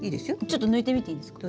ちょっと抜いてみていいですか？